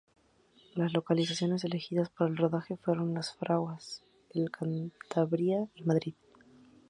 Las localizaciones elegidas para el rodaje fueron Las Fraguas, en Cantabria, y Madrid.